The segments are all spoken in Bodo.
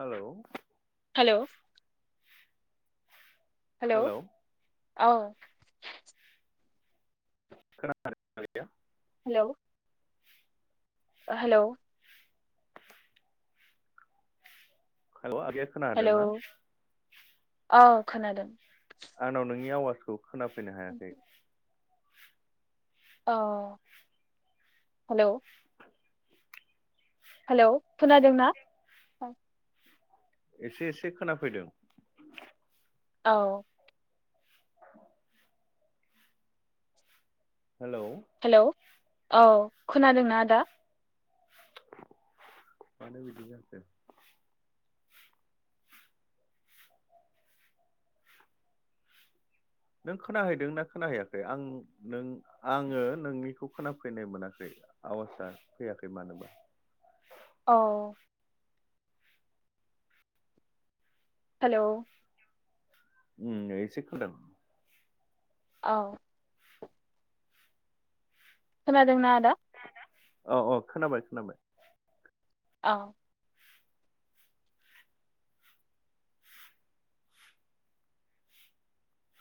हेलौ हेलौ हेलौ औ [unintelligible] हेलौ हेलौ औ आगैया खोना हादों हेलौ ना औ खोनादों आंनाव नोंनि आवासखौ खोनाफैनो हायाखै [inaudible] अ हेलौ हेलौ खोनादों ना एसे एसे खोनाफैदों औ हेलौ हेलौ औ खोनादों ना आदा [unintelligible] मानो बिदि जाखो नों खोनाहैदों ना खोनाहैयाखै आं नों आङो नोंनिखौ खोनाफैनाय मोनाखै आवासा फैयाखै मानोबा औ हेलौ उम एसे खोनदों औ खोनादों ना आदा औ औ खोनाबाय खोनाबाय अ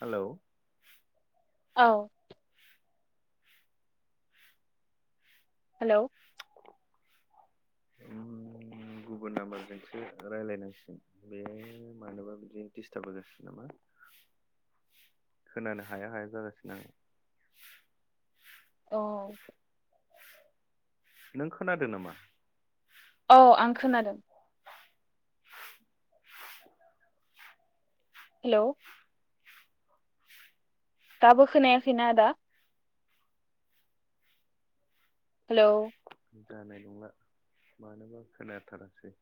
हेलौ औ हेलौ ओम गुबुन नाम्बारजोंसो रायजलायनांसिगोन बे मानोबा बिदि डिस्टाब होगासिनो नामा खोनानो हाया हाया जागासिनो आं औ नों खोनादों नामा औ आं खोनादों हेलौ दाबो खोनायाखै ना आदा हेलौ जानाय नंला मानोबा खोनाथारासै